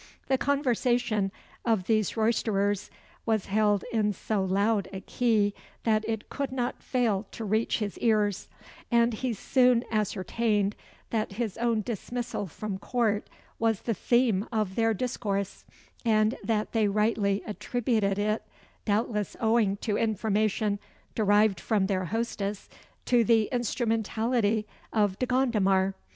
The conversation of these roysterers was held in so loud a key that it could not fail to reach his ears; and he soon ascertained that his own dismissal from court was the theme of their discourse, and that they rightly attributed it doubtless owing to information derived from their hostess to the instrumentality of De Gondomar.